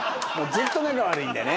ずっと仲悪いんでね